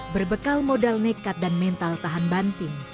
berbekal modal nekat dan mental tahan banting